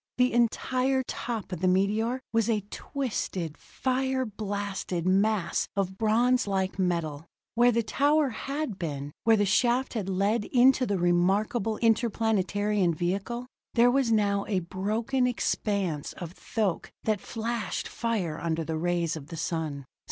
The entire top of the meteor was a twisted, fire blasted mass of bronze like metal. Where the tower had been, where the shaft had led into the remarkable interplanetary vehicle, there was now a broken expanse of thoque that flashed fire under the rays of the sun.